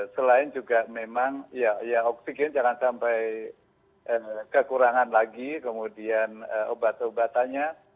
selain juga memang ya oksigen jangan sampai kekurangan lagi kemudian obat obatannya